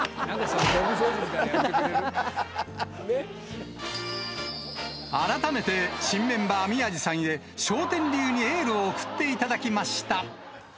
なんだそれ、改めて、新メンバー、宮治さんへ、笑点流にエールを送っていただきました。